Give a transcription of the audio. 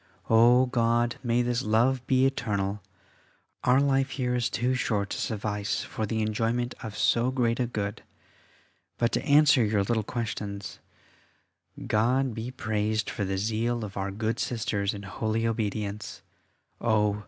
O God! may this love be eternal: our life here is too short to suffice for the enjoyment of so great a good! But to answer your little questions. God be praised for the zeal of our good Sisters in holy obedience. Oh!